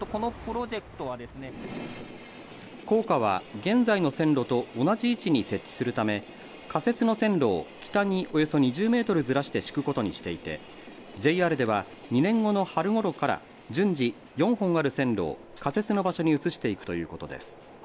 高架は現在の線路と同じ位置に設置するため仮設の線路を北におよそ２０メートルずらして敷くことにしていてＪＲでは２年後の春ごろから順次４本ある線路を仮設の場所に移していくということです。